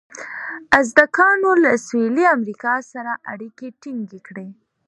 ازتکانو له سویلي امریکا سره اړیکې ټینګې کړې وې.